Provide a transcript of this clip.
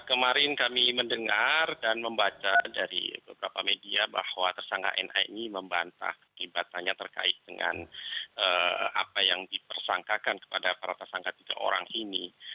dan membaca dari beberapa media bahwa tersangka na ini membantah keibatannya terkait dengan apa yang dipersangkakan kepada para tersangka tiga orang ini